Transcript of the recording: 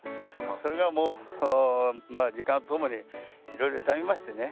それがもうまあ時間とともに色々とありましてね。